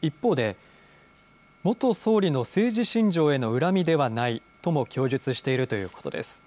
一方で元総理の政治信条への恨みではないとも供述しているということです。